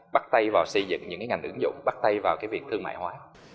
bắt tay vào xây dựng những ngành ứng dụng bắt tay vào việc thương mại hóa